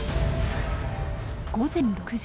午前６時。